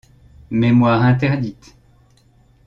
Mémoire interdite.